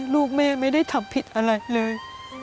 ลูกแม่ไม่ได้ทำผิดอะไรเลย